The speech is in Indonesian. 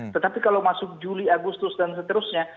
tetapi kalau masuk juli agustus dan seterusnya